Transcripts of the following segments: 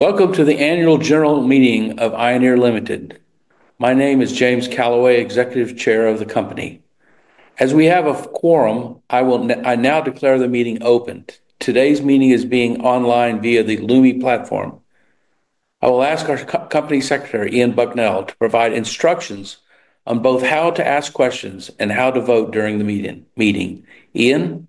Welcome to the annual general meeting of Ioneer Limited. My name is James Calaway, Executive Chair of the company. As we have a quorum, I will now declare the meeting opened. Today's meeting is being online via the Lumi platform. I will ask our Company Secretary, Ian Bucknell, to provide instructions on both how to ask questions and how to vote during the meeting. Ian.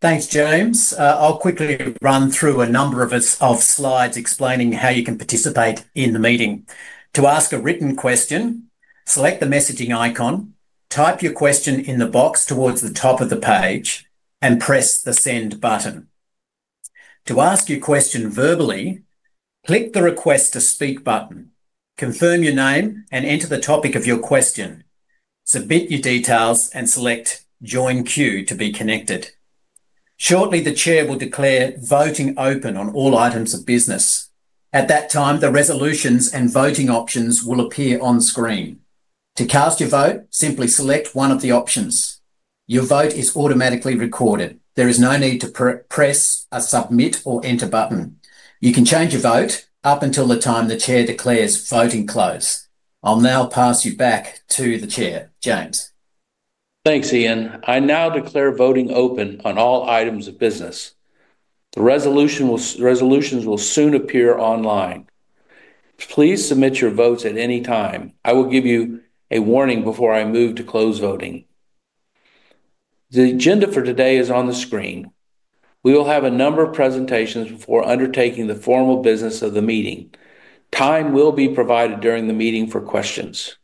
Thanks, James. I'll quickly run through a number of slides explaining how you can participate in the meeting. To ask a written question, select the messaging icon, type your question in the box towards the top of the page, and press the send button. To ask your question verbally, click the request to speak button, confirm your name, and enter the topic of your question. Submit your details and select join queue to be connected. Shortly, the Chair will declare voting open on all items of business. At that time, the resolutions and voting options will appear on screen. To cast your vote, simply select one of the options. Your vote is automatically recorded. There is no need to press a submit or enter button. You can change your vote up until the time the Chair declares voting close. I'll now pass you back to the Chair, James. Thanks, Ian. I now declare voting open on all items of business. The resolutions will soon appear online. Please submit your votes at any time. I will give you a warning before I move to close voting. The agenda for today is on the screen. We will have a number of presentations before undertaking the formal business of the meeting. Time will be provided during the meeting for questions.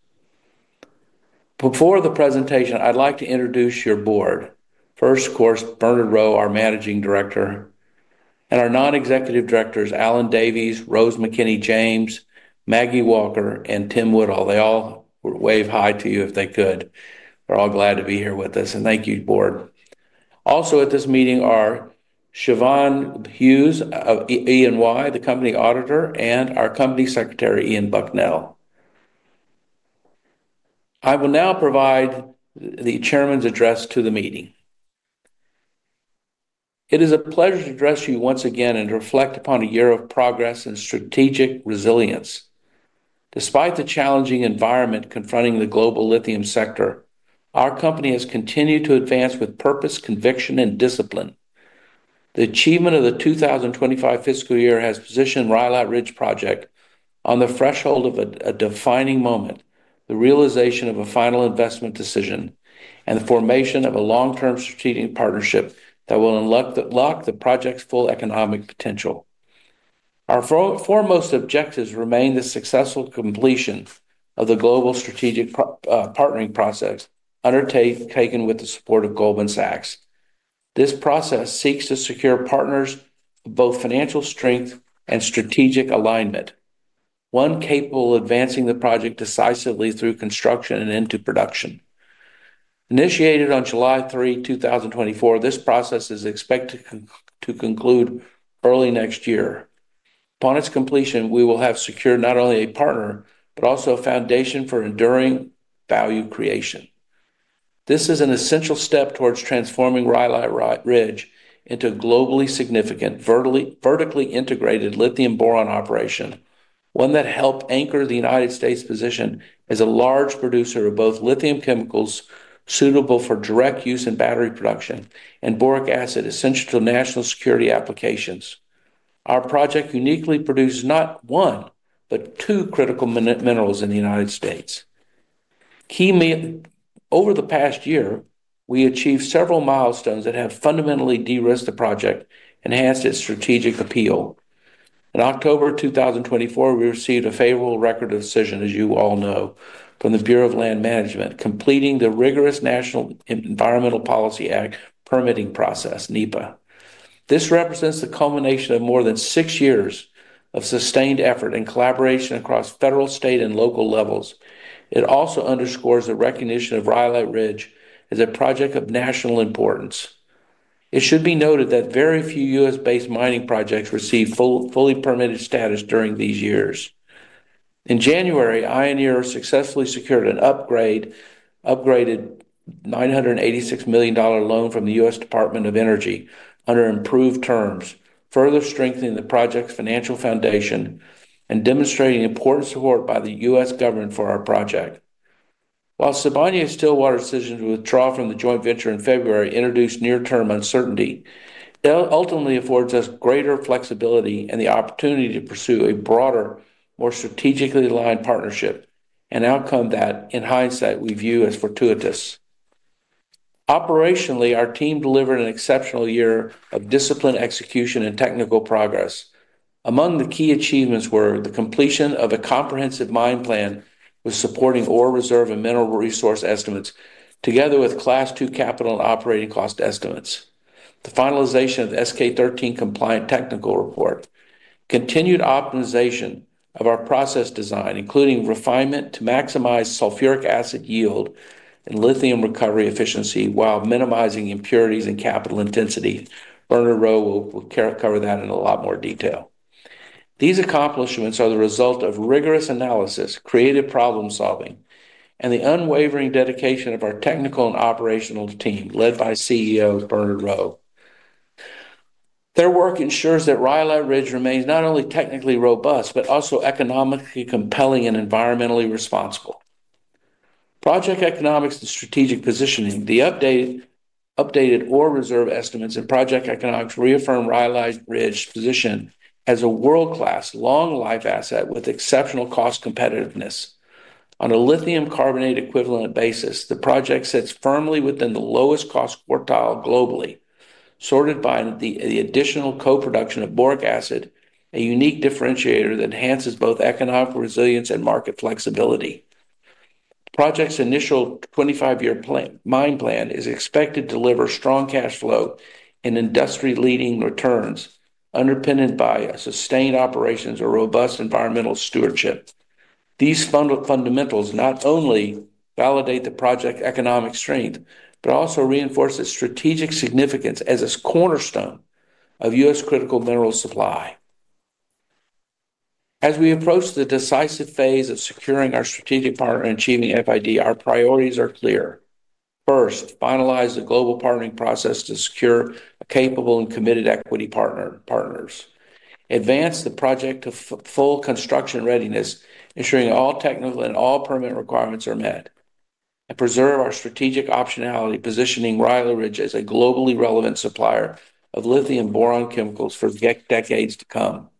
Before the presentation, I'd like to introduce your Board. First, of course, Bernard Rowe, our Managing Director. Our Non-Executive Directors, Alan Davies, Rose McKinney-James, Margaret Walker, and Tim Woodall. They all wave hi to you if they could. They're all glad to be here with us, and thank you, Board. Also at this meeting are Siobhan Hughes of E&Y, the Company Auditor, and our Company Secretary, Ian Bucknell. I will now provide the Chairman's address to the meeting. It is a pleasure to address you once again and reflect upon a year of progress and strategic resilience. Despite the challenging environment confronting the global lithium sector, our company has continued to advance with purpose, conviction, and discipline. The achievement of the 2025 fiscal year has positioned Rhyolite Ridge Project on the threshold of a defining moment, the realization of a final investment decision, and the formation of a long-term strategic partnership that will unlock the project's full economic potential. Our foremost objectives remain the successful completion of the global strategic partnering process undertaken with the support of Goldman Sachs. This process seeks to secure partners with both financial strength and strategic alignment, one capable of advancing the project decisively through construction and into production. Initiated on July 3, 2024, this process is expected to conclude early next year. Upon its completion, we will have secured not only a partner but also a foundation for enduring value creation. This is an essential step towards transforming Rhyolite Ridge into a globally significant, vertically integrated lithium-boron operation, one that helps anchor the United States' position as a large producer of both lithium chemicals suitable for direct use in battery production and boric acid, essential to national security applications. Our project uniquely produces not one but two critical minerals in the United States. Over the past year, we achieved several milestones that have fundamentally de-risked the project and enhanced its strategic appeal. In October 2024, we received a favorable record of decision, as you all know, from the Bureau of Land Management, completing the rigorous National Environmental Policy Act permitting process, NEPA. This represents the culmination of more than six years of sustained effort and collaboration across federal, state, and local levels. It also underscores the recognition of Rhyolite Ridge as a project of national importance. It should be noted that very few U.S.-based mining projects received fully permitted status during these years. In January, Ioneer successfully secured an upgraded $986 million loan from the U.S. Department of Energy under improved terms, further strengthening the project's financial foundation and demonstrating important support by the U.S. government for our project. While Sibanye-Stillwater's decision to withdraw from the joint venture in February introduced near-term uncertainty, it ultimately affords us greater flexibility and the opportunity to pursue a broader, more strategically aligned partnership, an outcome that, in hindsight, we view as fortuitous. Operationally, our team delivered an exceptional year of disciplined execution and technical progress. Among the key achievements were the completion of a comprehensive mine plan with supporting ore reserve and mineral resource estimates, together with Class II capital and operating cost estimates, the finalization of the SK-13 compliant technical report, continued optimization of our process design, including refinement to maximize sulfuric acid yield and lithium recovery efficiency while minimizing impurities and capital intensity. Bernard Rowe will cover that in a lot more detail. These accomplishments are the result of rigorous analysis, creative problem-solving, and the unwavering dedication of our technical and operational team, led by CEO Bernard Rowe. Their work ensures that Rhyolite Ridge remains not only technically robust but also economically compelling and environmentally responsible. Project economics and strategic positioning, the updated ore reserve estimates and project economics reaffirm Rhyolite Ridge's position as a world-class, long-life asset with exceptional cost competitiveness. On a lithium carbonate equivalent basis, the project sits firmly within the lowest cost quartile globally, supported by the additional co-production of boric acid, a unique differentiator that enhances both economic resilience and market flexibility. The project's initial 25-year mine plan is expected to deliver strong cash flow and industry-leading returns, underpinned by sustained operations or robust environmental stewardship. These fundamentals not only validate the project's economic strength but also reinforce its strategic significance as a cornerstone of U.S. critical mineral supply. As we approach the decisive phase of securing our strategic partner and achieving FID, our priorities are clear. First, finalize the global partnering process to secure capable and committed equity partners. Advance the project to full construction readiness, ensuring all technical and all permit requirements are met, and preserve our strategic optionality, positioning Rhyolite Ridge as a globally relevant supplier of lithium boron chemicals for decades to come.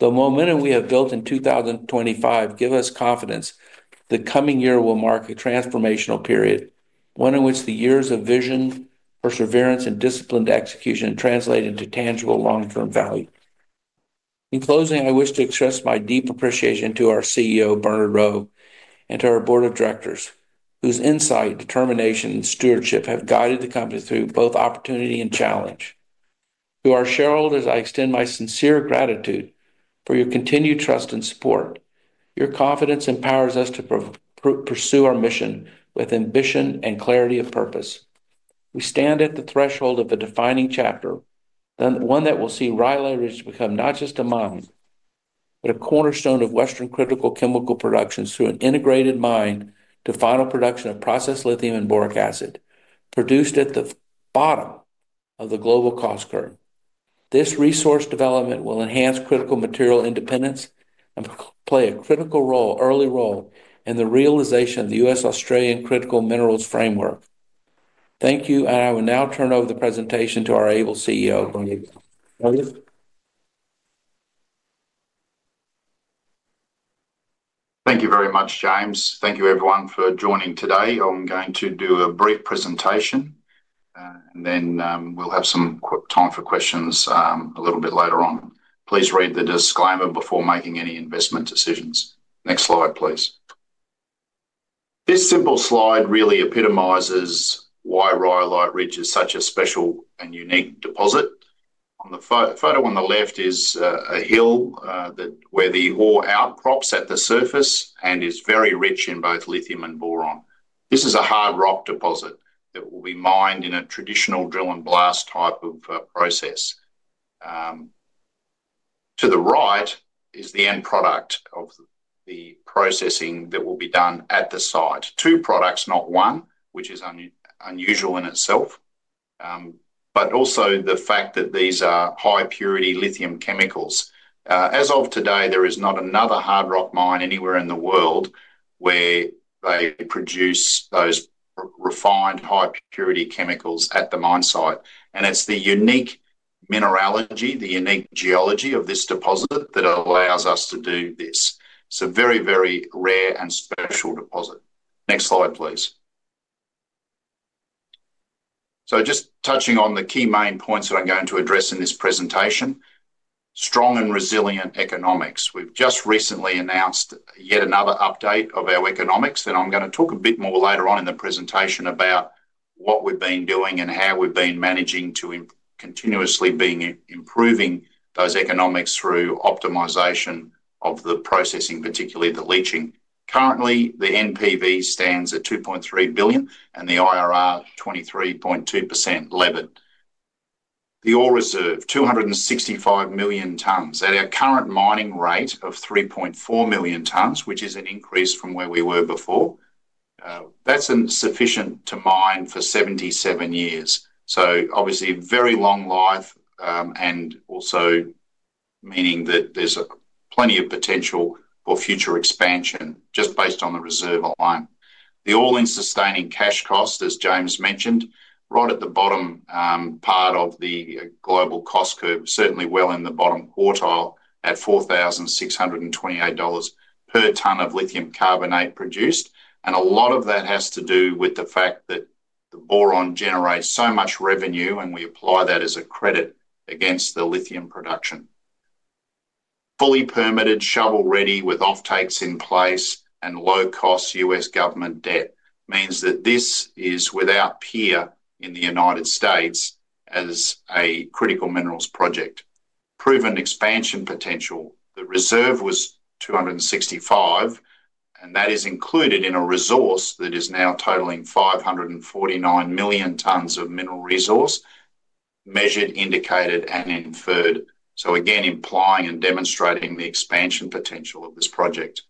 The momentum we have built in 2024 gives us confidence that the coming year will mark a transformational period, one in which the years of vision, perseverance, and disciplined execution translate into tangible long-term value. In closing, I wish to express my deep appreciation to our CEO, Bernard Rowe, and to our Board of Directors, whose insight, determination, and stewardship have guided the company through both opportunity and challenge. To our shareholders, I extend my sincere gratitude for your continued trust and support. Your confidence empowers us to pursue our mission with ambition and clarity of purpose. We stand at the threshold of a defining chapter, one that will see Rhyolite Ridge become not just a mine, but a cornerstone of Western critical chemical production through an integrated mine to final production of processed lithium and boric acid, produced at the bottom of the global cost curve. This resource development will enhance critical material independence and play a critical, early role in the realization of the U.S.-Australian critical minerals framework. Thank you, and I will now turn over the presentation to our able CEO. Thank you very much, James. Thank you, everyone, for joining today. I'm going to do a brief presentation. Then we'll have some time for questions a little bit later on. Please read the disclaimer before making any investment decisions. Next slide, please. This simple slide really epitomizes why Rhyolite Ridge is such a special and unique deposit. On the photo on the left is a hill where the ore outcrops at the surface and is very rich in both lithium and boron. This is a hard rock deposit that will be mined in a traditional drill and blast type of process. To the right is the end product of the processing that will be done at the site. Two products, not one, which is unusual in itself. Also, the fact that these are high-purity lithium chemicals. As of today, there is not another hard rock mine anywhere in the world where they produce those refined high-purity chemicals at the mine site. It's the unique mineralogy, the unique geology of this deposit that allows us to do this. It's a very, very rare and special deposit. Next slide, please. Just touching on the key main points that I'm going to address in this presentation. Strong and resilient economics. We've just recently announced yet another update of our economics. I'm going to talk a bit more later on in the presentation about what we've been doing and how we've been managing to continuously be improving those economics through optimization of the processing, particularly the leaching. Currently, the NPV stands at $2.3 billion and the IRR 23.2% leveled. The ore reserve, 265 million tons at our current mining rate of 3.4 million tons, which is an increase from where we were before. That's sufficient to mine for 77 years. Obviously, very long life and also meaning that there's plenty of potential for future expansion just based on the reserve alone. The all-in sustaining cash cost, as James mentioned, right at the bottom part of the global cost curve, certainly well in the bottom quartile at $4,628 per ton of lithium carbonate produced. A lot of that has to do with the fact that the boron generates so much revenue, and we apply that as a credit against the lithium production. Fully permitted, shovel-ready with offtakes in place and low-cost U.S. government debt means that this is without peer in the United States as a critical minerals project. Proven expansion potential, the reserve was 265. That is included in a resource that is now totaling 549 million tons of mineral resource: measured, indicated, and inferred. This implies and demonstrates the expansion potential of this project.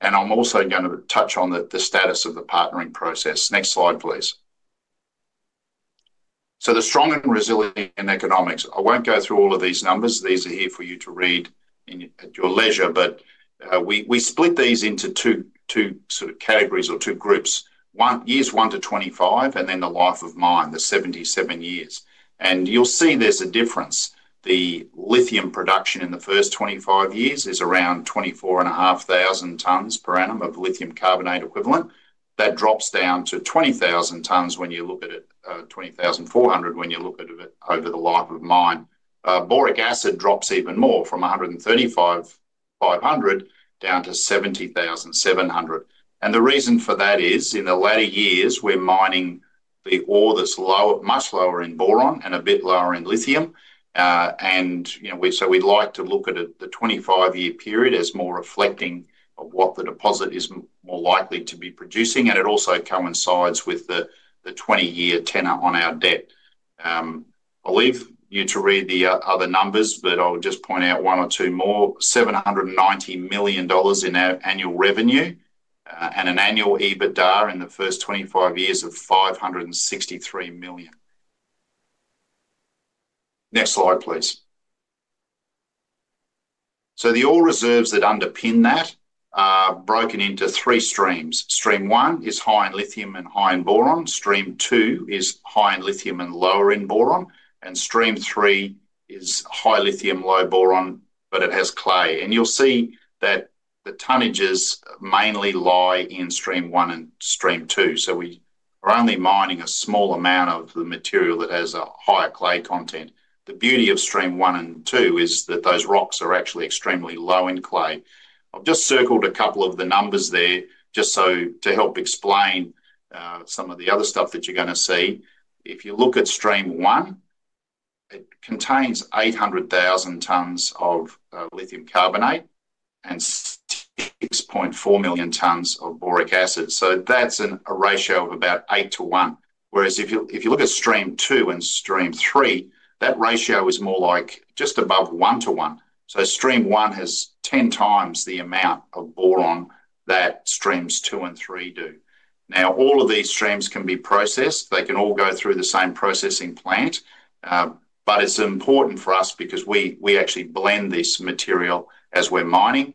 I'm also going to touch on the status of the partnering process. Next slide, please. The strong and resilient economics are here for you to read at your leisure. We split these into two categories or two groups: years 1-25 and then the life of mine, the 77 years. You'll see there's a difference. The lithium production in the first 25 years is around 24,500 tons per annum of lithium carbonate equivalent. That drops down to 20,400 tons when you look at it over the life of mine. Boric acid drops even more from 135,500 down to 70,700. The reason for that is in the latter years, we're mining the ore that's much lower in boron and a bit lower in lithium. We like to look at the 25-year period as more reflecting of what the deposit is more likely to be producing. It also coincides with the 20-year tenor on our debt. I'll leave you to read the other numbers, but I'll just point out one or two more: $790 million in our annual revenue and an annual EBITDA in the first 25 years of $563 million. Next slide, please. The ore reserves that underpin that are broken into three streams. Stream one is high in lithium and high in boron. Stream two is high in lithium and lower in boron. Stream three is high lithium, low boron, but it has clay. You'll see that the tonnages mainly lie in stream one and stream two, so we're only mining a small amount of the material that has a higher clay content. The beauty of stream one and two is that those rocks are actually extremely low in clay. I've just circled a couple of the numbers there to help explain some of the other stuff that you're going to see. If you look at stream one, it contains 800,000 tons of lithium carbonate and 6.4 million tons of boric acid. That's a ratio of about 8:1. Whereas if you look at stream two and stream three, that ratio is more like just above 1:1. Stream one has 10 times the amount of boron that streams two and three do. All of these streams can be processed. They can all go through the same processing plant. It's important for us because we actually blend this material as we're mining.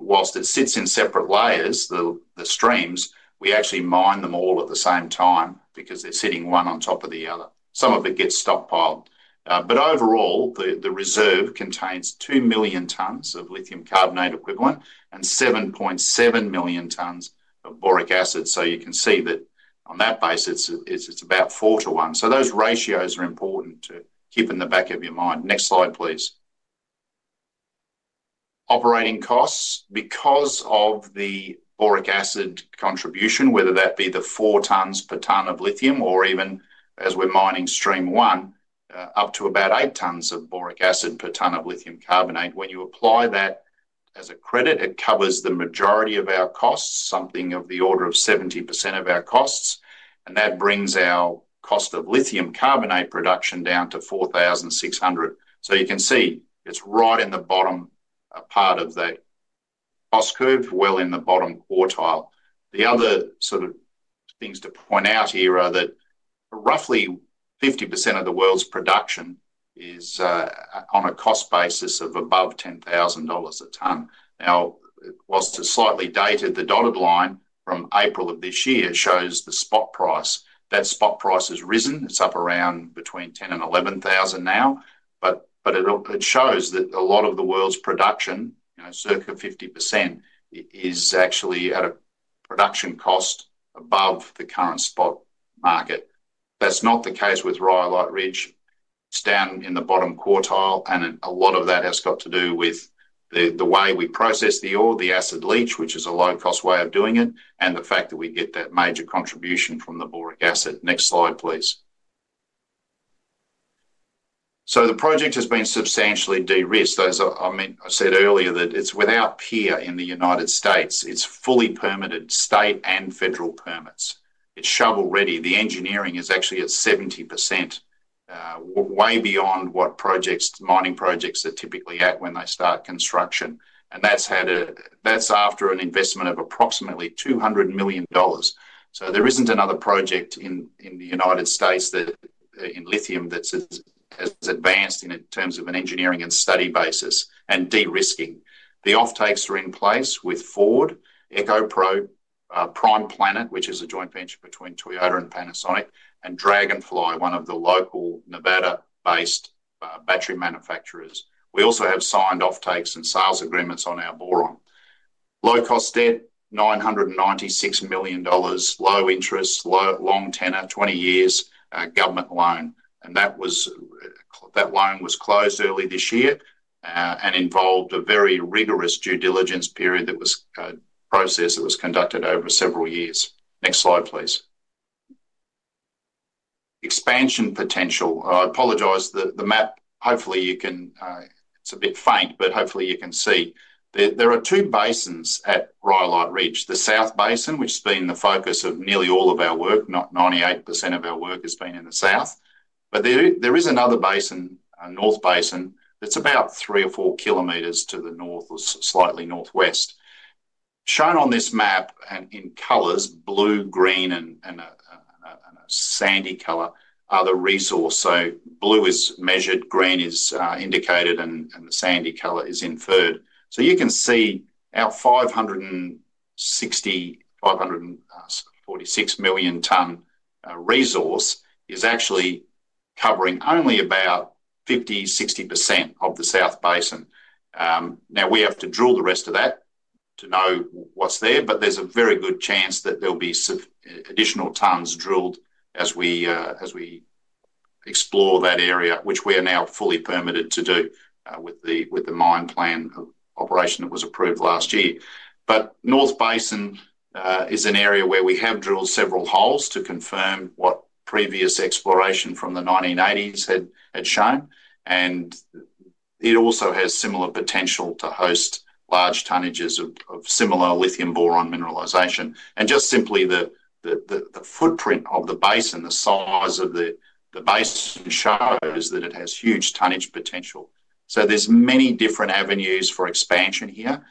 Whilst it sits in separate layers, the streams, we actually mine them all at the same time because they're sitting one on top of the other. Some of it gets stockpiled. Overall, the reserve contains 2 million tons of lithium carbonate equivalent and 7.7 million tons of boric acid. You can see that on that basis, it's about 4:1. Those ratios are important to keep in the back of your mind. Next slide, please. Operating costs, because of the boric acid contribution, whether that be the 4 tons per ton of lithium or even, as we're mining stream one, up to about 8 tons of boric acid per ton of lithium carbonate, when you apply that as a credit, it covers the majority of our costs, something of the order of 70% of our costs. That brings our cost of lithium carbonate production down to $4,600. You can see it's right in the bottom part of that cost curve, well in the bottom quartile. The other sort of things to point out here are that roughly 50% of the world's production is on a cost basis of above $10,000 a ton. Now, whilst it's slightly dated, the dotted line from April of this year shows the spot price. That spot price has risen. It's up around between $10,000 and $11,000 now. It shows that a lot of the world's production, circa 50%, is actually at a production cost above the current spot market. That's not the case with Rhyolite Ridge. It's down in the bottom quartile. A lot of that has got to do with the way we process the ore, the acid leaching, which is a low-cost way of doing it, and the fact that we get that major contribution from the boric acid. Next slide, please. The project has been substantially de-risked. I said earlier that it's without peer in the United States. It's fully permitted, state and federal permits. It's shovel-ready. The engineering is actually at 70%, way beyond what mining projects are typically at when they start construction. That's after an investment of approximately $200 million. There isn't another project in the United States in lithium that's as advanced in terms of an engineering and study basis and de-risking. The offtakes are in place with Ford, EcoPro, Prime Planet, which is a joint venture between Toyota and Panasonic, and Dragonfly, one of the local Nevada-based battery manufacturers. We also have signed offtakes and sales agreements on our boron. Low-cost debt, $986 million, low interest, long tenor, 20 years, government loan. That loan was closed early this year and involved a very rigorous due diligence period. That was a process that was conducted over several years. Next slide, please. Expansion potential. I apologize. The map, hopefully, you can—it's a bit faint, but hopefully, you can see. There are two basins at Rhyolite Ridge. The south basin, which has been the focus of nearly all of our work, 98% of our work has been in the south. There is another basin, a north basin, that's about three or four kilometers to the north or slightly northwest. Shown on this map in colors, blue, green, and a sandy color, are the resource. Blue is measured, green is indicated, and the sandy color is inferred. You can see our 546 million ton resource is actually covering only about 50%, 60% of the south basin. We have to drill the rest of that to know what's there. There's a very good chance that there'll be additional tons drilled as we explore that area, which we are now fully permitted to do with the mine plan operation that was approved last year. North basin is an area where we have drilled several holes to confirm what previous exploration from the 1980s had shown. It also has similar potential to host large tonnages of similar lithium boron mineralization. Simply, the footprint of the basin, the size of the basin shows that it has huge tonnage potential. There are many different avenues for expansion here,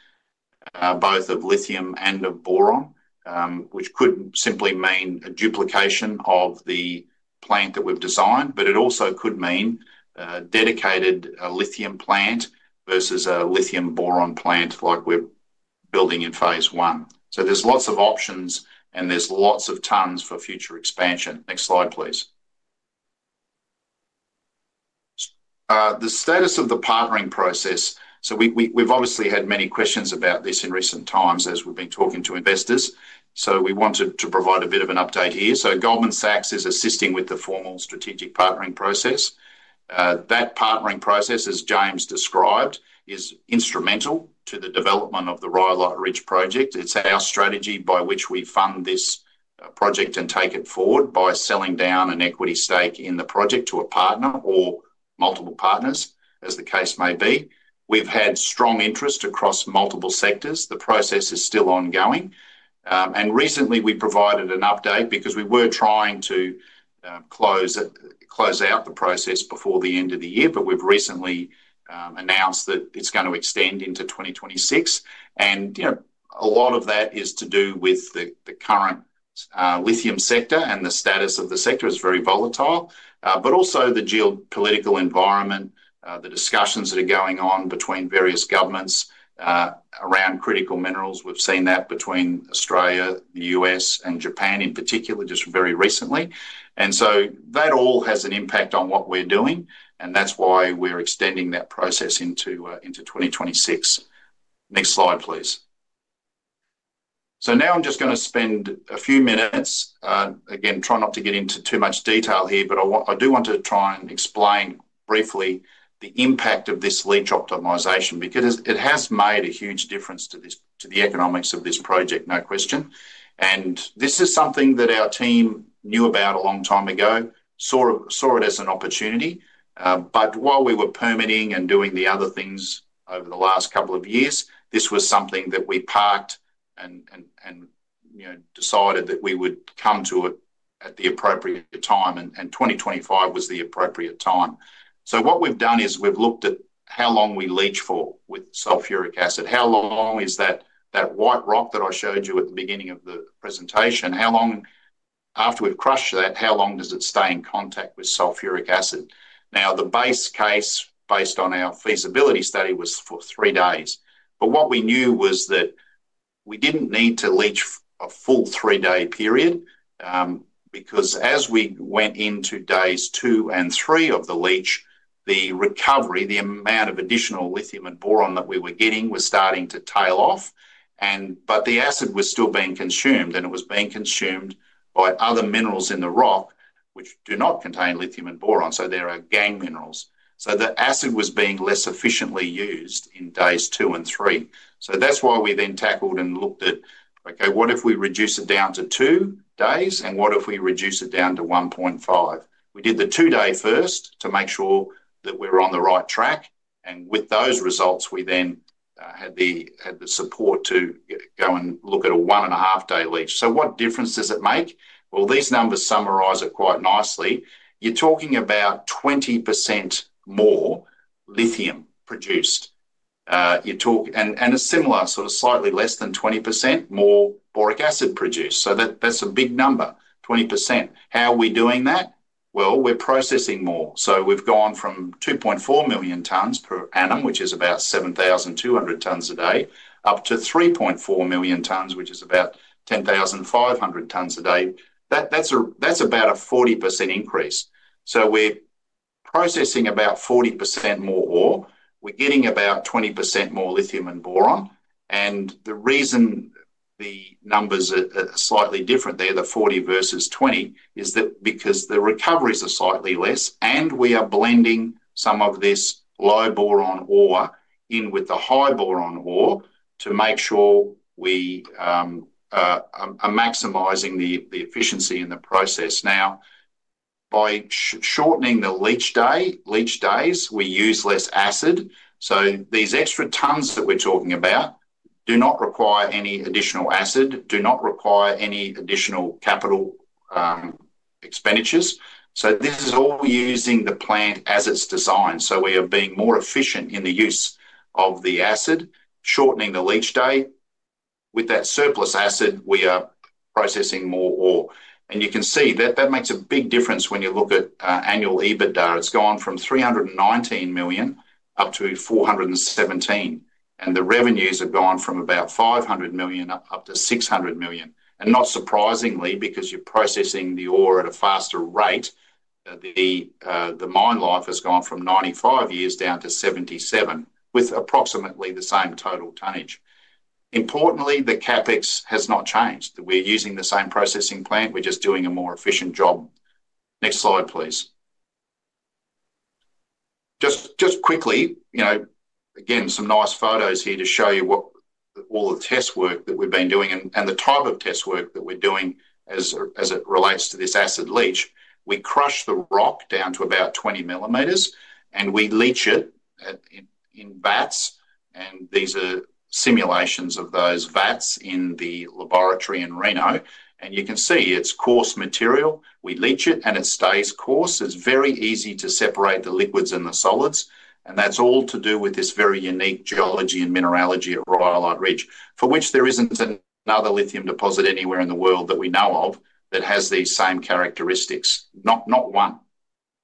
both of lithium and of boron, which could simply mean a duplication of the plant that we've designed. It also could mean a dedicated lithium plant versus a lithium boron plant like we're building in phase one. There are lots of options, and there's lots of tons for future expansion. Next slide, please. The status of the partnering process. We've obviously had many questions about this in recent times as we've been talking to investors. We wanted to provide a bit of an update here. Goldman Sachs is assisting with the formal strategic partnering process. That partnering process, as James described, is instrumental to the development of the Rhyolite Ridge Project. It's our strategy by which we fund this project and take it forward by selling down an equity stake in the project to a partner or multiple partners, as the case may be. We've had strong interest across multiple sectors. The process is still ongoing. Recently, we provided an update because we were trying to close out the process before the end of the year. We've recently announced that it's going to extend into 2026. A lot of that is to do with the current lithium sector, and the status of the sector is very volatile. The geopolitical environment, the discussions that are going on between various governments around critical minerals, also play a role. We've seen that between Australia, the U.S., and Japan in particular just very recently. That all has an impact on what we're doing, which is why we're extending that process into 2026. Next slide, please. I'm just going to spend a few minutes, again, trying not to get into too much detail here. I do want to try and explain briefly the impact of this leach optimization because it has made a huge difference to the economics of this project, no question. This is something that our team knew about a long time ago, saw it as an opportunity. While we were permitting and doing the other things over the last couple of years, this was something that we parked and decided that we would come to it at the appropriate time. 2025 was the appropriate time. What we've done is we've looked at how long we leach for with sulfuric acid. How long is that white rock that I showed you at the beginning of the presentation? After we've crushed that, how long does it stay in contact with sulfuric acid? The base case based on our feasibility study was for three days. What we knew was that we didn't need to leach a full three-day period, because as we went into days two and three of the leach, the recovery, the amount of additional lithium and boron that we were getting, was starting to tail off. The acid was still being consumed, and it was being consumed by other minerals in the rock, which do not contain lithium and boron. They're gang minerals. The acid was being less efficiently used in days two and three. That's why we then tackled and looked at, okay, what if we reduce it down to two days? What if we reduce it down to 1.5? We did the two-day first to make sure that we're on the right track. With those results, we then had the support to go and look at a one-and-a-half-day leach. What difference does it make? These numbers summarize it quite nicely. You're talking about 20% more lithium produced, and a similar sort of slightly less than 20% more boric acid produced. That's a big number, 20%. How are we doing that? We're processing more. We've gone from 2.4 million tons per annum, which is about 7,200 tons a day, up to 3.4 million tons, which is about 10,500 tons a day. That's about a 40% increase. We're processing about 40% more. We're getting about 20% more lithium and boron. The reason the numbers are slightly different there, the 40% versus 20%, is because the recoveries are slightly less. We are blending some of this low boron ore in with the high boron ore to make sure we're maximizing the efficiency in the process. By shortening the leach days, we use less acid. These extra tons that we're talking about do not require any additional acid, do not require any additional capital expenditures. This is all using the plant as it's designed. We are being more efficient in the use of the acid, shortening the leach day. With that surplus acid, we are processing more ore. You can see that makes a big difference when you look at annual EBITDA data. It's gone from $319 million up to $417 million. The revenues have gone from about $500 million up to $600 million. Not surprisingly, because you're processing the ore at a faster rate, the mine life has gone from 95 years down to 77 with approximately the same total tonnage. Importantly, the CapEx has not changed. We're using the same processing plant. We're just doing a more efficient job. Next slide, please. Again, some nice photos here to show you all the test work that we've been doing and the type of test work that we're doing as it relates to this acid leach. We crush the rock down to about 20 mm, and we leach it in vats. These are simulations of those vats in the laboratory in Reno. You can see it's coarse material. We leach it, and it stays coarse. It's very easy to separate the liquids and the solids. That's all to do with this very unique geology and mineralogy at Rhyolite Ridge, for which there isn't another lithium deposit anywhere in the world that we know of that has these same characteristics, not one.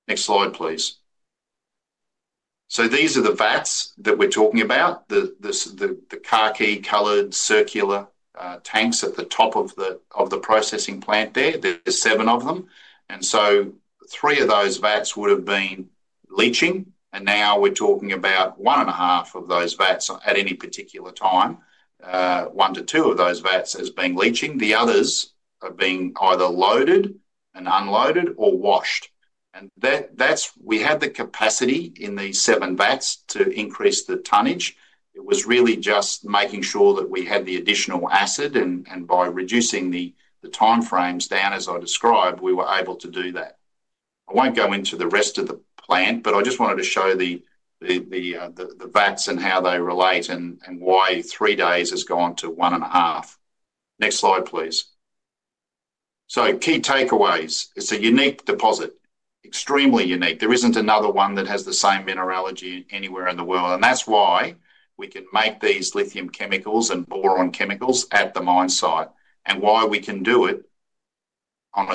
Next slide, please. These are the vats that we're talking about. The khaki-colored circular tanks at the top of the processing plant there. There are seven of them. Three of those vats would have been leaching, and now we're talking about one and a half of those vats at any particular time. One to two of those vats as being leaching. The others are being either loaded and unloaded or washed. We had the capacity in these seven vats to increase the tonnage. It was really just making sure that we had the additional acid. By reducing the timeframes down, as I described, we were able to do that. I won't go into the rest of the plant, but I just wanted to show the vats and how they relate and why three days has gone to one and a half. Next slide, please. Key takeaways: It's a unique deposit, extremely unique. There isn't another one that has the same mineralogy anywhere in the world. That's why we can make these lithium chemicals and boron chemicals at the mine site and why we can do it on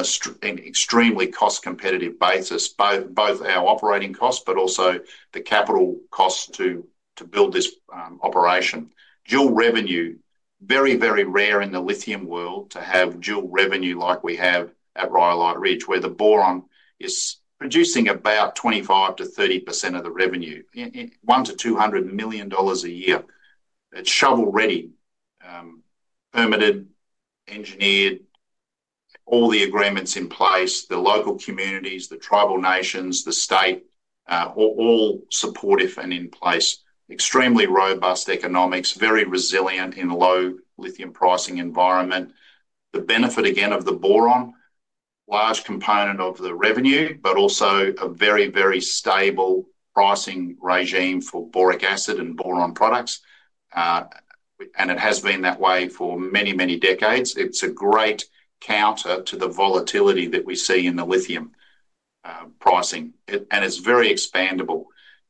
an extremely cost-competitive basis, both our operating costs, but also the capital costs to build this operation. Dual revenue, very, very rare in the lithium world to have dual revenue like we have at Rhyolite Ridge, where the boron is producing about 25%-30% of the revenue, $100 million-$200 million a year. It's shovel-ready, permitted, engineered. All the agreements in place, the local communities, the tribal nations, the state, all supportive and in place, extremely robust economics, very resilient in a low lithium pricing environment. The benefit, again, of the boron. Large component of the revenue, but also a very, very stable pricing regime for boric acid and boron products. It has been that way for many, many decades. It's a great counter to the volatility that we see in the lithium pricing. It's very expandable.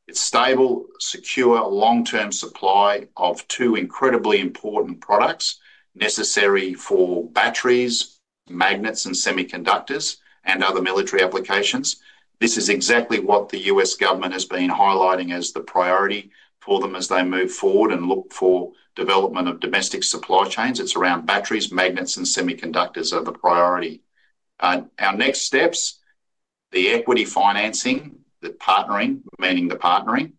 It's stable, secure, long-term supply of two incredibly important products necessary for batteries, magnets, and semiconductors and other military applications. This is exactly what the U.S. government has been highlighting as the priority for them as they move forward and look for development of domestic supply chains. It's around batteries, magnets, and semiconductors as the priority. Our next steps: the equity financing, the partnering, meaning the partnering.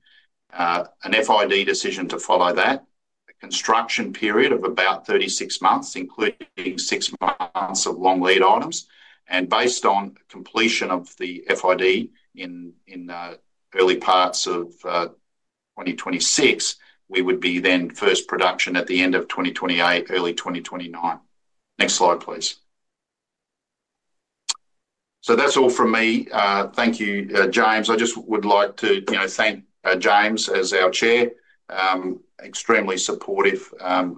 An FID decision to follow that, a construction period of about 36 months, including six months of long lead items. Based on completion of the FID in early parts of 2026, we would be then first production at the end of 2028, early 2029. Next slide, please. That's all from me. Thank you, James. I just would like to thank James as our Chair. Extremely supportive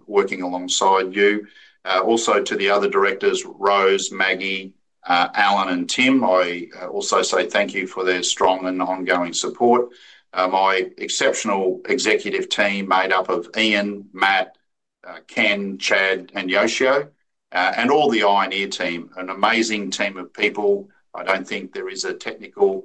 working alongside you. Also to the other directors, Rose, Maggie, Alan, and Tim, I also say thank you for their strong and ongoing support. My exceptional executive team made up of Ian, Matt. Ken, Chad, and Yoshio, and all the Ioneer team, an amazing team of people. I don't think there is a technical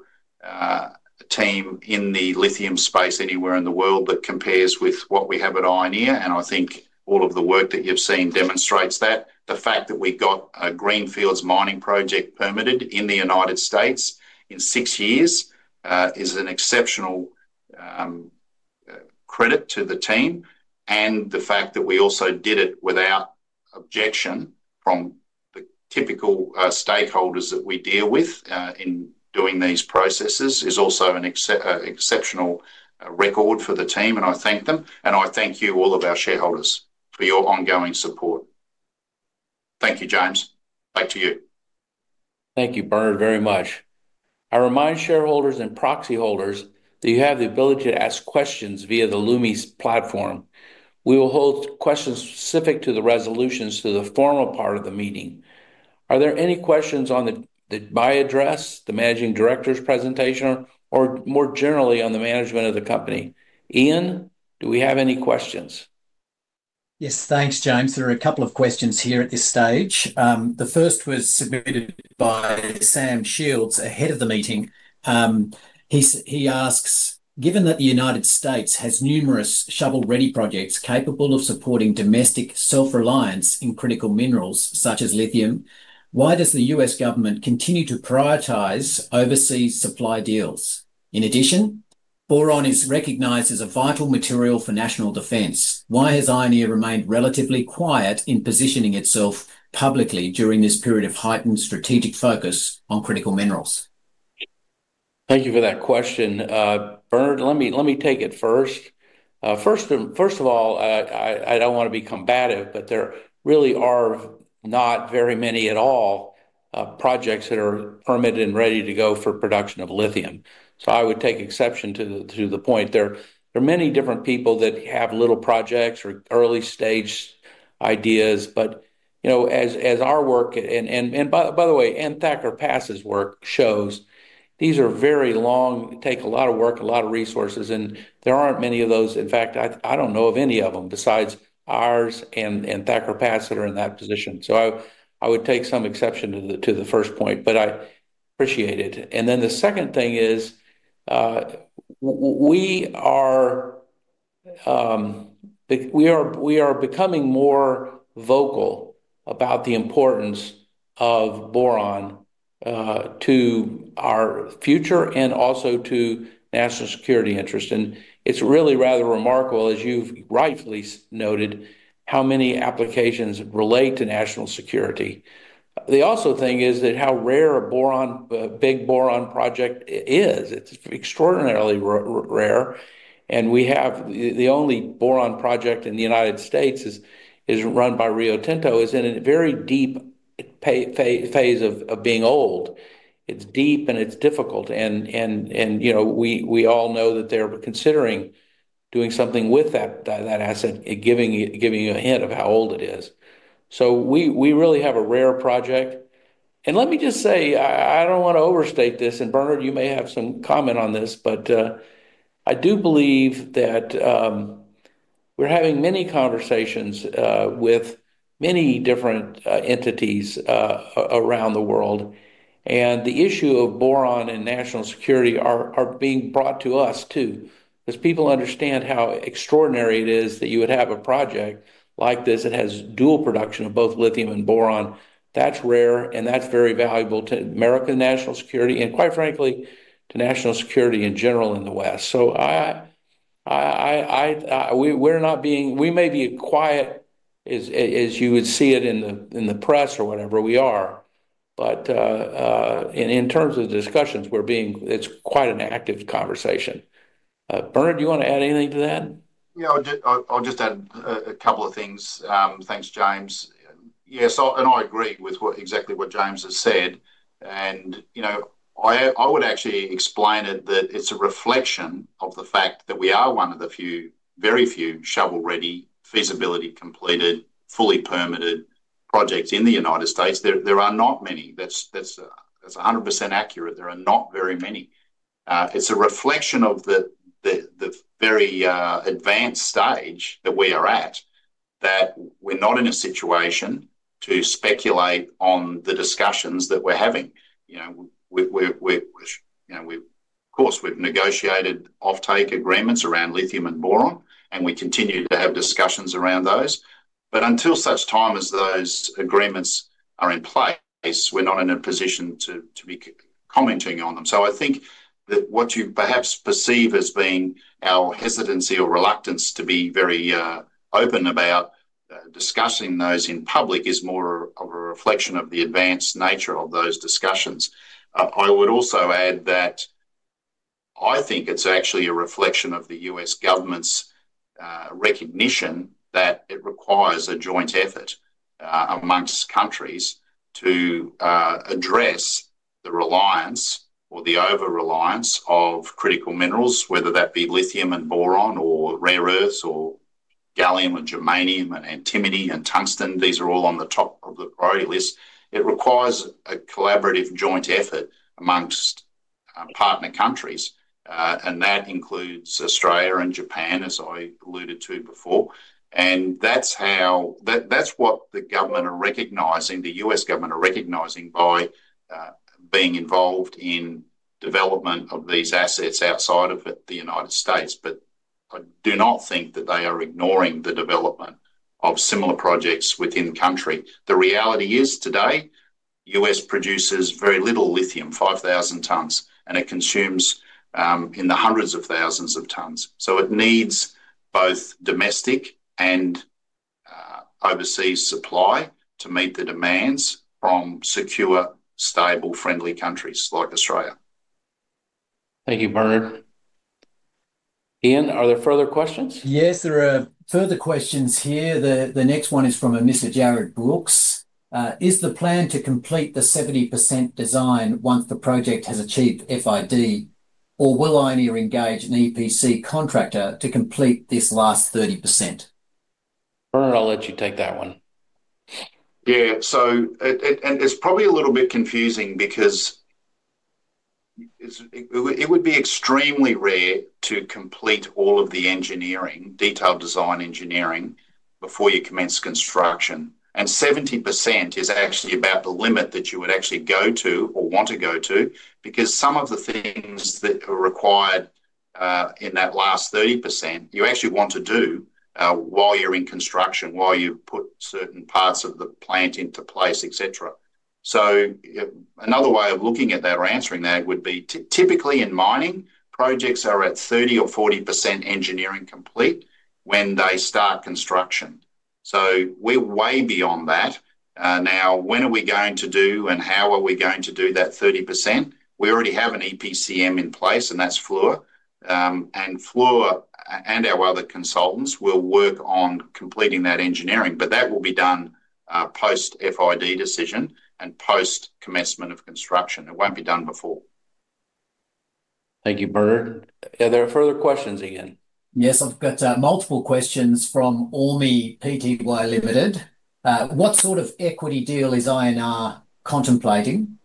team in the lithium space anywhere in the world that compares with what we have at Ioneer. I think all of the work that you've seen demonstrates that. The fact that we got a Greenfields mining project permitted in the United States in six years is an exceptional credit to the team. The fact that we also did it without objection from the typical stakeholders that we deal with in doing these processes is also an exceptional record for the team. I thank them. I thank you, all of our shareholders, for your ongoing support. Thank you, James. Back to you. Thank you, Bernard, very much. I remind shareholders and proxy holders that you have the ability to ask questions via the Lumi platform. We will hold questions specific to the resolutions to the formal part of the meeting. Are there any questions on the address, the Managing Director's presentation, or more generally on the management of the company? Ian, do we have any questions? Yes, thanks, James. There are a couple of questions here at this stage. The first was submitted by Sam Shields ahead of the meeting. He asks, "Given that the United States has numerous shovel-ready projects capable of supporting domestic self-reliance in critical minerals such as lithium, why does the U.S. government continue to prioritize overseas supply deals? In addition, boron is recognized as a vital material for national defense. Why has Ioneer remained relatively quiet in positioning itself publicly during this period of heightened strategic focus on critical minerals?" Thank you for that question. Bernard, let me take it first. First of all, I don't want to be combative, but there really are not very many at all projects that are permitted and ready to go for production of lithium. I would take exception to the point. There are many different people that have little projects or early-stage ideas. As our work, and by the way, and Thacker Pass's work shows, these are very long, take a lot of work, a lot of resources. There aren't many of those. In fact, I don't know of any of them besides ours and Thacker Pass that are in that position. I would take some exception to the first point, but I appreciate it. The second thing is, we are becoming more vocal about the importance of boron to our future and also to national security interests. It's really rather remarkable, as you've rightfully noted, how many applications relate to national security. The other thing is that how rare a big boron project is. It's extraordinarily rare. The only boron project in the United States is run by Rio Tinto and is in a very deep phase of being old. It's deep, and it's difficult. We all know that they're considering doing something with that asset and giving you a hint of how old it is. We really have a rare project. Let me just say, I don't want to overstate this. Bernard, you may have some comment on this, but I do believe that we're having many conversations with many different entities around the world. The issue of boron and national security are being brought to us too because people understand how extraordinary it is that you would have a project like this that has dual production of both lithium and boron. That's rare, and that's very valuable to American national security and, quite frankly, to national security in general in the West. We may be quiet, as you would see it in the press or whatever we are, but in terms of discussions, it's quite an active conversation. Bernard, do you want to add anything to that? Yeah, I'll just add a couple of things. Thanks, James. Yes, and I agree with exactly what James has said. I would actually explain it that it's a reflection of the fact that we are one of the very few shovel-ready, feasibility completed, fully permitted projects in the United States. There are not many. That's 100% accurate. There are not very many. It's a reflection of the very advanced stage that we are at, that we're not in a situation to speculate on the discussions that we're having. Of course, we've negotiated offtake agreements around lithium and boron, and we continue to have discussions around those. Until such time as those agreements are in place, we're not in a position to be commenting on them. I think that what you perhaps perceive as being our hesitancy or reluctance to be very open about discussing those in public is more of a reflection of the advanced nature of those discussions. I would also add that I think it's actually a reflection of the U.S. government's recognition that it requires a joint effort amongst countries to address the reliance or the over-reliance of critical minerals, whether that be lithium and boron or rare earths or gallium and germanium and antimony and tungsten. These are all on the top of the priority list. It requires a collaborative joint effort amongst partner countries, and that includes Australia and Japan, as I alluded to before. That's what the government are recognizing, the U.S. government are recognizing by being involved in development of these assets outside of the United States. I do not think that they are ignoring the development of similar projects within the country. The reality is today, U.S. produces very little lithium, 5,000 tons, and it consumes in the hundreds of thousands of tons. It needs both domestic and overseas supply to meet the demands from secure, stable, friendly countries like Australia. Thank you, Bernard. Ian, are there further questions? Yes, there are further questions here. The next one is from a Mr. Jared Brooks. Is the plan to complete the 70% design once the project has achieved FID, or will Ioneer engage an EPC contractor to complete this last 30%? Bernard, I'll let you take that one. Yeah, and it's probably a little bit confusing because it would be extremely rare to complete all of the detailed design engineering before you commence construction. 70% is actually about the limit that you would actually go to or want to go to because some of the things that are required in that last 30%, you actually want to do while you're in construction, while you've put certain parts of the plant into place, etc. Another way of looking at that or answering that would be typically in mining, projects are at 30% or 40% engineering complete when they start construction. We're way beyond that. Now, when are we going to do and how are we going to do that 30%? We already have an EPCM in place, and that's Fluor. Fluor and our other consultants will work on completing that engineering, but that will be done post FID decision and post commencement of construction. It won't be done before. Thank you, Bernard. Are there further questions again? Yes, I've got multiple questions from Ormi PTY Limited. What sort of equity deal is INR contemplating?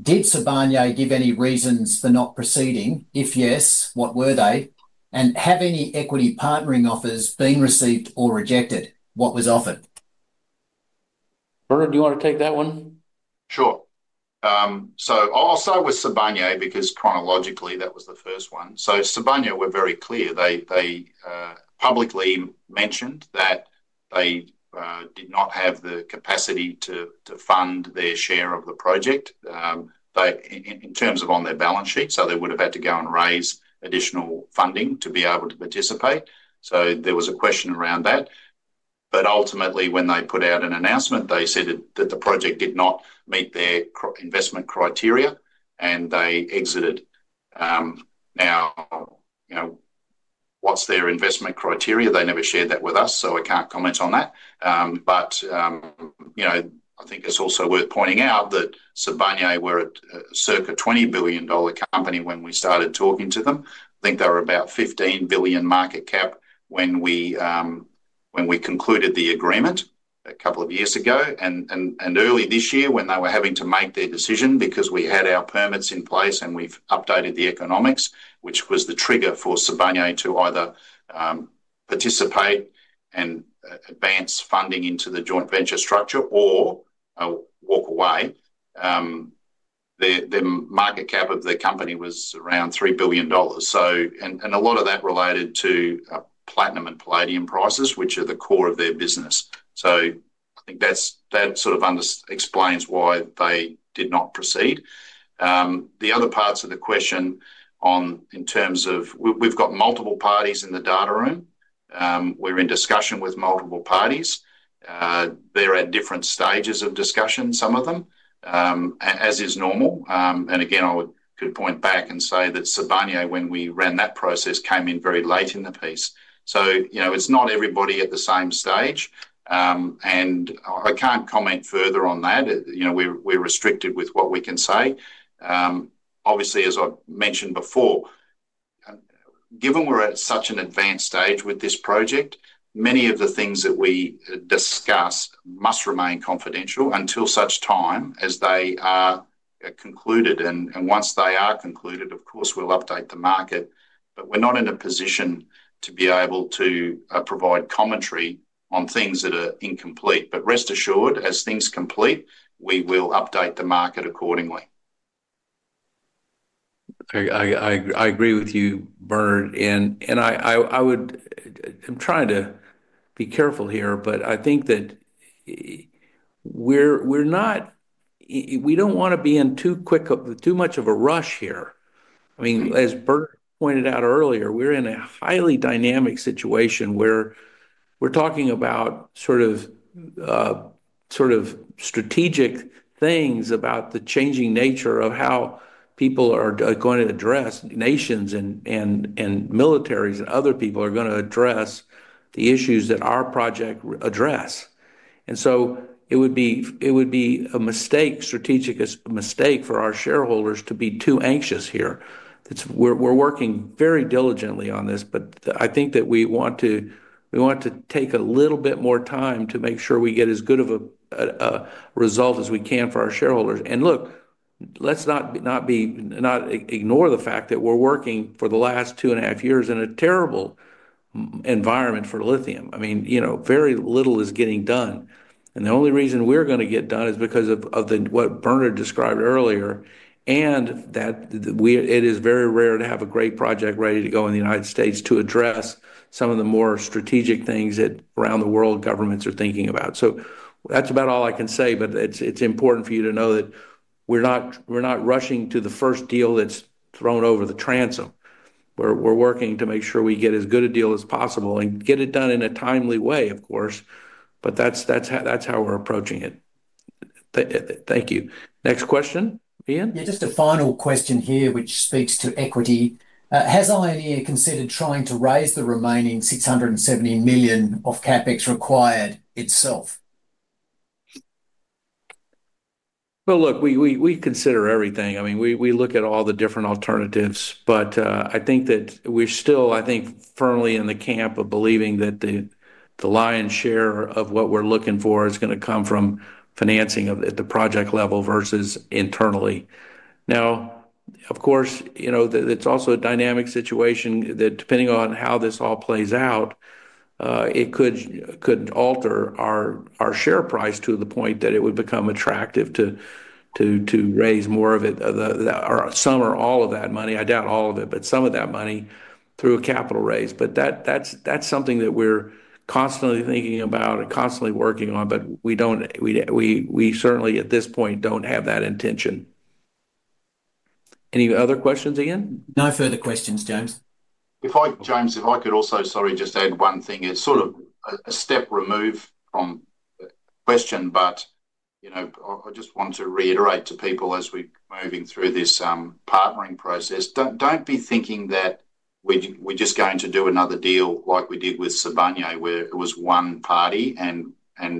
Did Sibanye give any reasons for not proceeding? If yes, what were they? Have any equity partnering offers been received or rejected? What was offered? Bernard, do you want to take that one? Sure. I'll start with Sibanye because chronologically, that was the first one. Sibanye were very clear. They publicly mentioned that they did not have the capacity to fund their share of the project. In terms of on their balance sheet, they would have had to go and raise additional funding to be able to participate. There was a question around that. Ultimately, when they put out an announcement, they said that the project did not meet their investment criteria, and they exited. What's their investment criteria? They never shared that with us, so I can't comment on that. I think it's also worth pointing out that Sibanye were a circa $20 billion company when we started talking to them. I think they were about $15 billion market cap when we concluded the agreement a couple of years ago. Early this year, when they were having to make their decision because we had our permits in place and we've updated the economics, which was the trigger for Sibanye to either participate and advance funding into the joint venture structure or walk away, the market cap of the company was around $3 billion. A lot of that related to platinum and palladium prices, which are the core of their business. I think that sort of explains why they did not proceed. The other parts of the question in terms of we've got multiple parties in the data room, we're in discussion with multiple parties. They're at different stages of discussion, some of them, as is normal. I could point back and say that Sibanye, when we ran that process, came in very late in the piece. It's not everybody at the same stage. I can't comment further on that. We're restricted with what we can say. Obviously, as I mentioned before, given we're at such an advanced stage with this project, many of the things that we discuss must remain confidential until such time as they are concluded. Once they are concluded, of course, we'll update the market. We're not in a position to be able to provide commentary on things that are incomplete. Rest assured, as things complete, we will update the market accordingly. I agree with you, Bernard. I'm trying to be careful here, but I think that we don't want to be in too much of a rush here. I mean, as Bernard pointed out earlier, we're in a highly dynamic situation where we're talking about sort of strategic things about the changing nature of how people are going to address, nations and militaries and other people are going to address the issues that our project address. It would be a strategic mistake for our shareholders to be too anxious here. We're working very diligently on this, but I think that we want to take a little bit more time to make sure we get as good of a result as we can for our shareholders. Look, let's not ignore the fact that we're working for the last two and a half years in a terrible environment for lithium. I mean, very little is getting done, and the only reason we're going to get done is because of what Bernard described earlier, that it is very rare to have a great project ready to go in the United States to address some of the more strategic things that around the world governments are thinking about. That's about all I can say. It's important for you to know that we're not rushing to the first deal that's thrown over the transom. We're working to make sure we get as good a deal as possible and get it done in a timely way, of course. That's how we're approaching it. Thank you. Next question, Ian? Yeah, just a final question here, which speaks to equity. Has Ioneer considered trying to raise the remaining $670 million of CapEx required itself? Look, we consider everything. I mean, we look at all the different alternatives. I think that we're still, I think, firmly in the camp of believing that the lion's share of what we're looking for is going to come from financing at the project level versus internally. Of course, it's also a dynamic situation that, depending on how this all plays out, it could alter our share price to the point that it would become attractive to raise more of it, or some or all of that money. I doubt all of it, but some of that money through a capital raise. That's something that we're constantly thinking about and constantly working on. We certainly, at this point, don't have that intention. Any other questions, Ian? No further questions, James. If I could also, sorry, just add one thing. It's sort of a step removed from the question, but I just want to reiterate to people as we're moving through this partnering process, don't be thinking that we're just going to do another deal like we did with Sibanye, where it was one party and a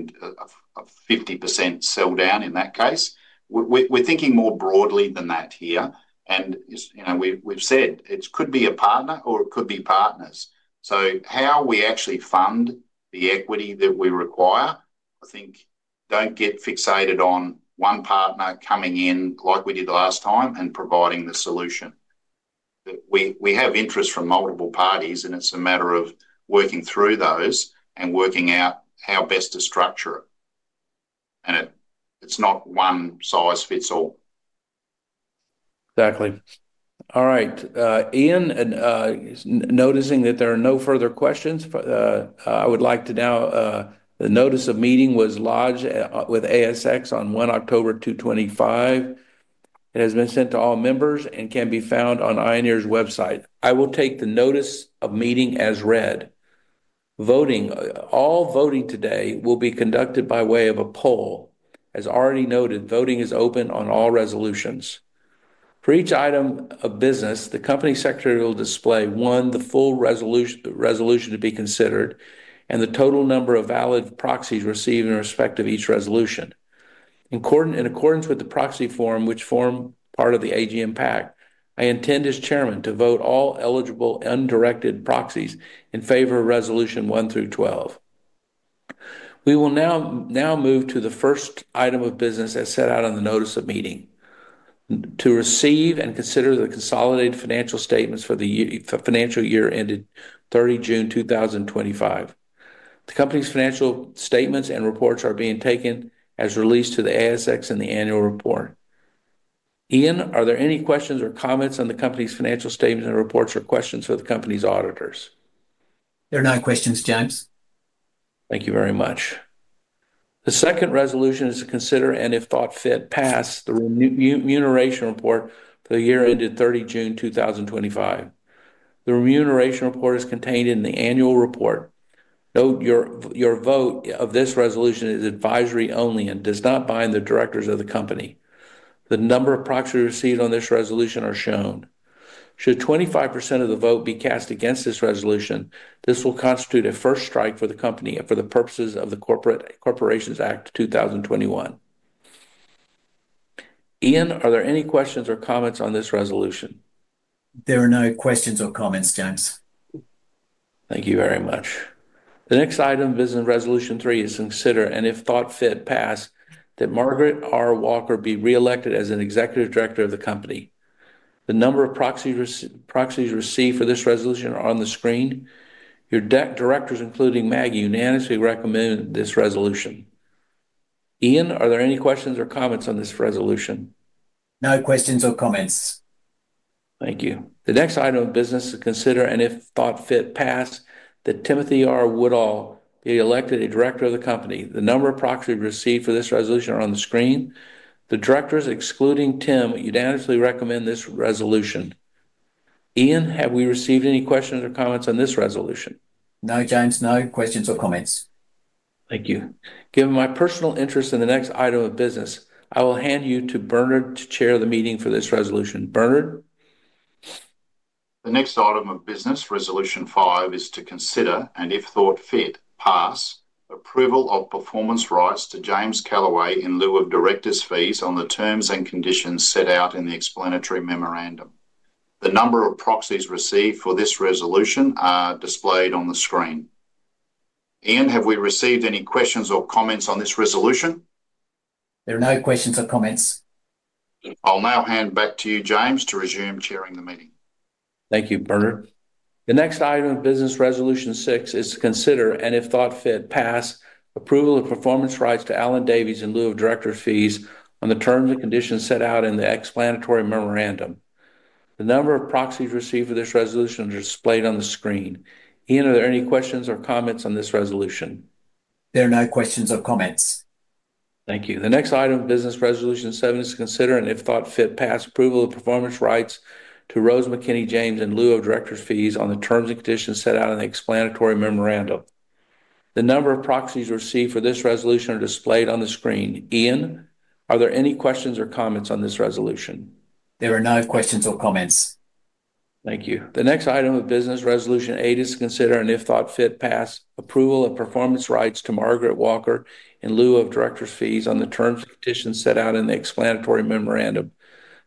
50% sell down in that case. We're thinking more broadly than that here. We've said it could be a partner or it could be partners. How we actually fund the equity that we require, I think, don't get fixated on one partner coming in like we did last time and providing the solution. We have interests from multiple parties, and it's a matter of working through those and working out how best to structure it. It's not one-size-fits-all. Exactly. All right. Ian. Noticing that there are no further questions, I would like to now. The notice of meeting was lodged with ASX on 1 October 2025. It has been sent to all members and can be found on Ioneer's website. I will take the notice of meeting as read. All voting today will be conducted by way of a poll. As already noted, voting is open on all resolutions. For each item of business, the Company Secretary will display, one, the full resolution to be considered, and the total number of valid proxies received in respect of each resolution. In accordance with the proxy form, which forms part of the AGM pack, I intend as Chairman to vote all eligible undirected proxies in favor of resolutions 1 through 12. We will now move to the first item of business as set out on the notice of meeting. To receive and consider the consolidated financial statements for the financial year ended 30 June 2025. The company's financial statements and reports are being taken as released to the ASX in the annual report. Ian, are there any questions or comments on the company's financial statements and reports or questions for the company's auditors? There are no questions, James. Thank you very much. The second resolution is to consider and, if thought fit, pass the remuneration report for the year ended 30 June 2025. The remuneration report is contained in the annual report. Note your vote of this resolution is advisory only and does not bind the directors of the company. The number of proxies received on this resolution are shown. Should 25% of the vote be cast against this resolution, this will constitute a first strike for the company for the purposes of the Corporations Act 2021. Ian, are there any questions or comments on this resolution? There are no questions or comments, James. Thank you very much. The next item is in resolution three, is to consider, and if thought fit, pass that Margaret Walker be re-elected as a non-executive director of the company. The number of proxies received for this resolution are on the screen. Your directors, including Maggie unanimously recommend this resolution. Ian, are there any questions or comments on this resolution? No questions or comments. Thank you. The next item of business is to consider, and if thought fit, pass that Timothy Woodall be elected a director of the company. The number of proxies received for this resolution are on the screen. The Directors, excluding Tim, unanimously recommend this resolution. Ian, have we received any questions or comments on this resolution? No, James. No questions or comments. Thank you. Given my personal interest in the next item of business, I will hand you to Bernard to chair the meeting for this resolution. Bernard? The next item of business, resolution five, is to consider, and if thought fit, pass approval of performance rights to James Calaway in lieu of Directors' fees on the terms and conditions set out in the explanatory memorandum. The number of proxies received for this resolution are displayed on the screen. Ian, have we received any questions or comments on this resolution? There are no questions or comments. I'll now hand back to you, James, to resume chairing the meeting. Thank you, Bernard. The next item of business, resolution six, is to consider, and if thought fit, pass approval of performance rights to Alan Davies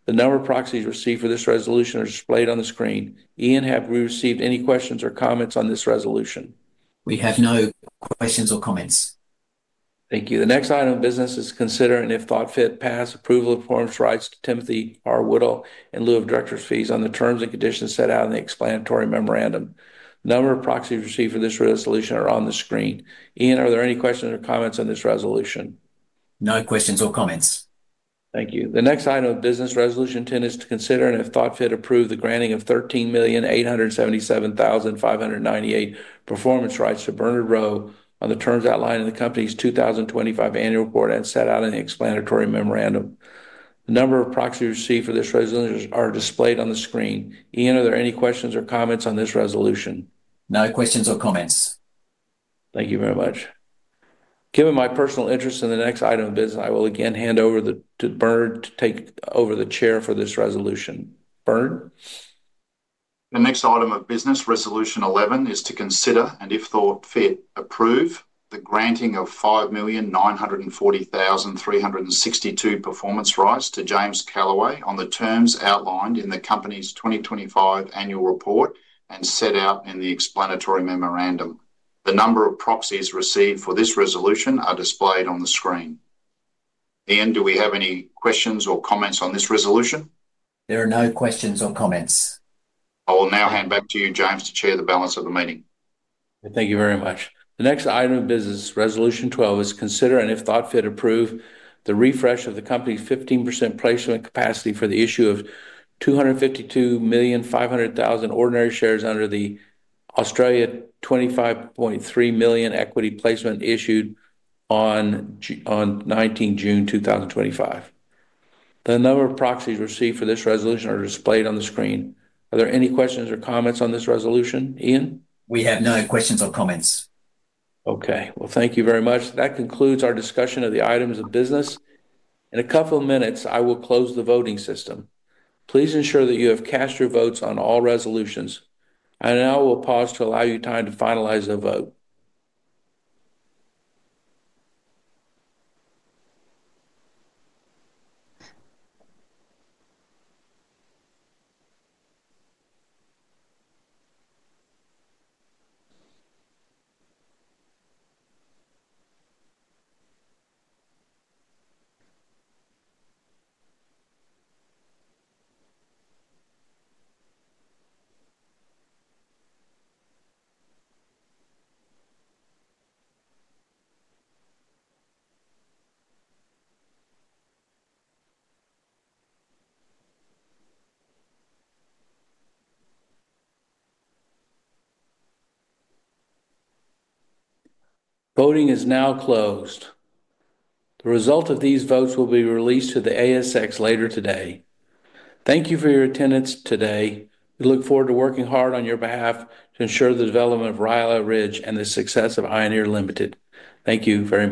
The number of proxies received for this resolution are displayed on the screen. Ian, have we received any questions or comments on this resolution? We have no questions or comments. Thank you. The next item of business is to consider, and if thought fit, pass approval of performance rights to Timothy Woodall in lieu of Directors' fees on the terms and conditions set out in the explanatory memorandum. The number of proxies received for this resolution are on the screen. Ian, are there any questions or comments on this resolution? No questions or comments. Thank you. The next item of business, resolution 10, is to consider, and if thought fit, approve the granting of 13,877,598 performance rights to Bernard Rowe on the terms outlined in the company's 2025 annual report as set out in the explanatory memorandum. The number of proxies received for this resolution are displayed on the screen. Ian, are there any questions or comments on this resolution? No questions or comments. Thank you very much. Given my personal interest in the next item of business, I will again hand over to Bernard to take over the chair for this resolution. Bernard? The next item of business, resolution 11, is to consider, and if thought fit, approve the granting of 5,940,362 performance rights to James Calaway on the terms outlined in the company's 2025 annual report and set out in the explanatory memorandum. The number of proxies received for this resolution are displayed on the screen. Ian, do we have any questions or comments on this resolution? There are no questions or comments. I will now hand back to you, James, to chair the balance of the meeting. Thank you very much. The next item of business, resolution 12, is to consider, and if thought fit, approve the refresh of the company's 15% placement capacity for the issue of 252,500,000 ordinary shares under the Australia $25.3 million equity placement issued on 19 June 2025. The number of proxies received for this resolution are displayed on the screen. Are there any questions or comments on this resolution, Ian? We have no questions or comments. Thank you very much. That concludes our discussion of the items of business. In a couple of minutes, I will close the voting system. Please ensure that you have cast your votes on all resolutions. I now will pause to allow you time to finalize the vote. Voting is now closed. The result of these votes will be released to the ASX later today. Thank you for your attendance today. We look forward to working hard on your behalf to ensure the development of Rhyolite Ridge and the success of Ioneer Limited. Thank you very much.